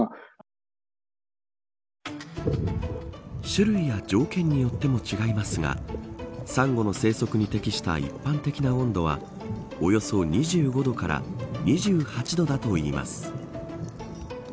種類や条件によっても違いますがサンゴの生息に適した一般的な温度はおよそ２５度から２８度だといいます。